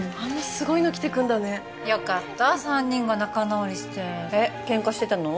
すごいの着てくんだねよかった三人が仲直りしてえっケンカしてたの？